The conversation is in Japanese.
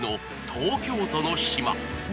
東京都の島